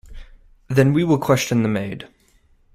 Then we will question the maid.